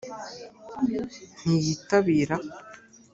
ntiyitabira